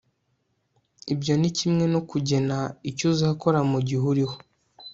ibyo ni kimwe no kugena icyo uzakora mu gihe uriho